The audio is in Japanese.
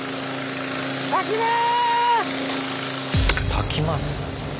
たきます？